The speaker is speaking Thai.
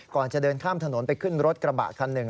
ก่อนจะเดินข้ามถนนไปขึ้นรถกระบะคันหนึ่ง